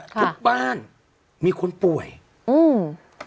ทุกบ้านมีคนป่วยอืม